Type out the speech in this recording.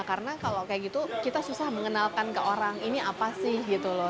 karena kalau kayak gitu kita susah mengenalkan ke orang ini apa sih gitu loh